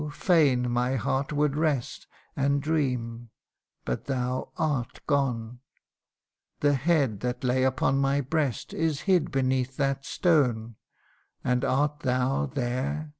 fain my heart would rest, And dream but thou art gone ; The head that lay upon my breast Is hid beneath that stone. And art thou there